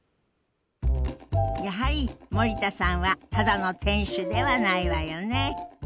やはり森田さんはただの店主ではないわよね。